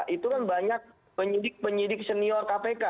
itu kan banyak penyidik penyidik senior kpk